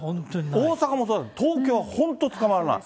大阪もそうだけど、東京は本当つかまらない。